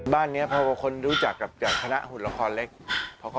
บ้านนี้พอคนรู้จักกับจากคณะหุ่นละครเล็ก